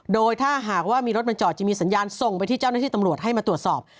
โดยถ้าหากว่ามีรถมาจอดจะมีสัญญาณส่งไปที่เจ้าหน้าที่ตำรวจให้มาตรวจสอบ